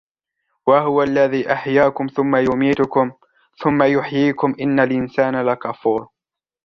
وهو الذي أحياكم ثم يميتكم ثم يحييكم إن الإنسان لكفور